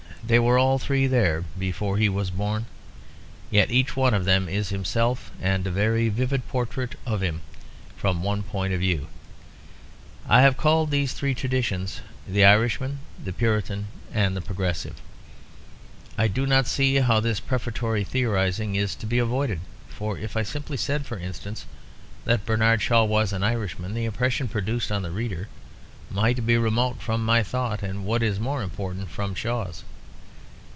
They were all three there before he was born, yet each one of them is himself and a very vivid portrait of him from one point of view. I have called these three traditions: "The Irishman," "The Puritan," and "The Progressive." I do not see how this prefatory theorising is to be avoided; for if I simply said, for instance, that Bernard Shaw was an Irishman, the impression produced on the reader might be remote from my thought and, what is more important, from Shaw's.